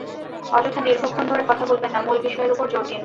অযথা দীর্ঘক্ষণ ধরে কথা বলবেন না, মূল বিষয়ের ওপর জোর দিন।